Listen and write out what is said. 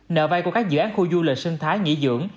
nợ vai của các dự án khu du lịch sân thái nghỉ dưỡng